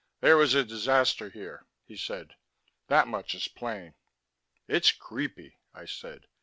"There was a disaster here," he said. "That much is plain." "It's creepy," I said.